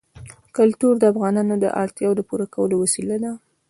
کلتور د افغانانو د اړتیاوو د پوره کولو وسیله ده.